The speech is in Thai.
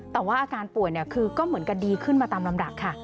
แต่ว่าอาการป่วยคือก็เหมือนกันดีขึ้นมาตามลำดับค่ะ